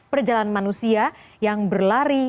perjalanan manusia yang berlari